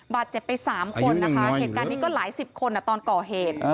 บาดเจ็บไป๓คนนะคะเหตุการณ์นี้ก็หลายสิบคนตอนก่อเหตุ